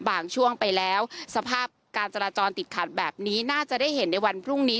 ช่วงไปแล้วสภาพการจราจรติดขัดแบบนี้น่าจะได้เห็นในวันพรุ่งนี้